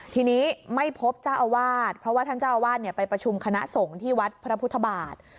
ทีนี้ไม่พบเจ้าอาวาสเพราะว่าท่านเจ้าอาวาสไปประชุมคณะสงฆ์ที่วัดพระพุทธบาท